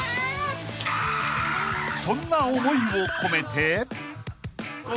［そんな思いを込めて］